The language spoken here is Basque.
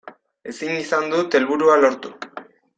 Ezin izan dut helburua lortu.